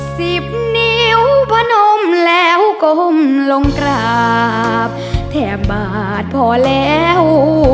สิบนิ้วพนมแล้วก้มลงกราบแถบบาทพอแล้ว